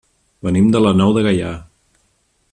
Venim de la Nou de Gaià.